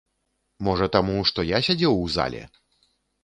Можа таму, што я сядзеў у зале!